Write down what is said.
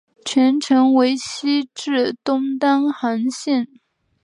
全程为西至东单行线。